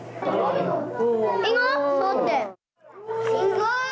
すごい。